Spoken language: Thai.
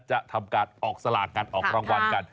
จะทำการออกสลากกันออกรางวัลกัน